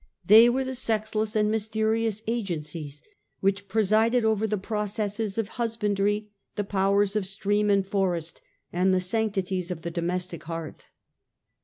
They were the sexless and mysterious agencies which presided over the processes of husbandry, the powers of stream and forest, and the sanctities of the domestic hearth.